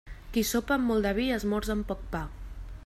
Qui sopa amb molt de vi esmorza amb poc pa.